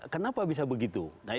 kenapa bisa begitu